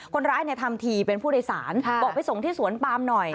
คนร้ายทำทีเป็นผู้โดยสารบอกไปส่งที่สวนปามหน่อย